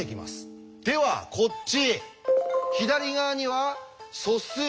ではこっち。